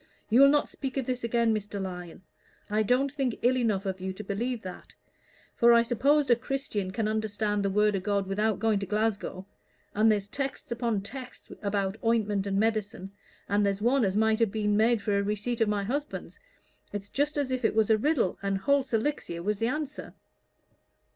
You'll not speak of this again, Mr. Lyon I don't think ill enough of you to believe that. For I suppose a Christian can understand the word o' God without going to Glasgow, and there's texts upon texts about ointment and medicine, and there's one as might have been for a receipt of my husband's it's just as if it was a riddle, and Holt's Elixir was the answer."